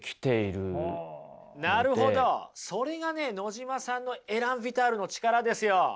それがね野島さんのエラン・ヴィタールの力ですよ。